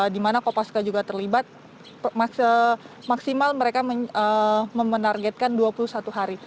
di mana kopaska juga terlibat maksimal mereka menargetkan dua puluh satu hari